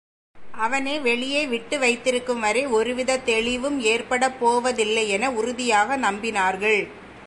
அவனை வெளியே விட்டுவைத்திருக்கும்வரை ஒருவித தெளிவும் ஏற்படப்போவதில்லையென உறுதியாக நம்பினார்கள்.